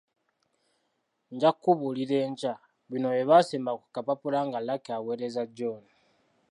“Nja kukubuulira enkya”. Bino bye by’asemba ku kapapula nga Lucky akaweereza John.